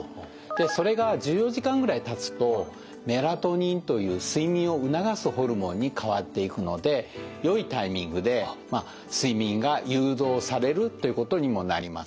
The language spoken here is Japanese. それが１４時間ぐらいたつとメラトニンという睡眠を促すホルモンに変わっていくのでよいタイミングで睡眠が誘導されるということにもなります。